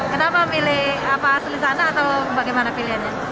kenapa pilih apa selisana atau bagaimana pilihannya